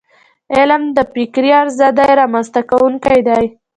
علم د فکري ازادی رامنځته کونکی دی.